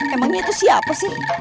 emangnya itu siapa sih